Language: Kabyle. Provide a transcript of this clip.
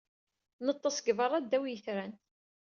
Neḍḍes deg beṛṛa, ddaw yitran.